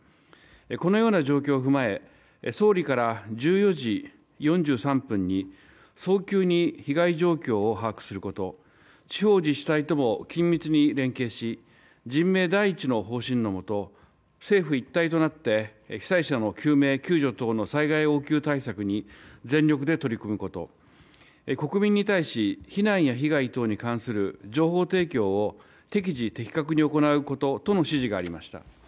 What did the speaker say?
このような状況を踏まえ総理から１４時４３分に早急に被害状況を把握すること地方自治体とも緊密に連携し人命第一の方針のもと政府一体となって被災者の救命救助等の災害応急対策に全力で取り組むこと国民に対し避難や被害等に関する情報提供を適時、的確に行うこととの指示がありました。